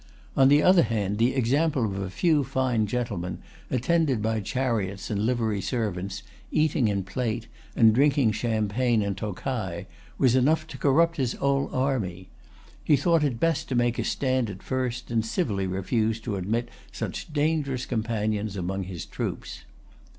On the other hand, the example of a few fine gentlemen, attended by chariots and livery servants, eating in plate, and drinking champagne and tokay, was enough to corrupt his whole army. He thought it best to make a stand at first, and civilly refuse to admit such dangerous companions among his troops.